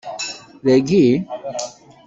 Dagi?